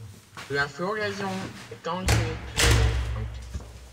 La floraison est ensuite remontante.